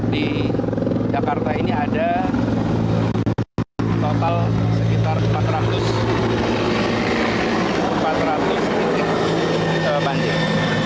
di jakarta ini ada total sekitar empat ratus banjir